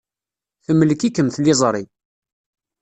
Temlek-ikem tliẓri.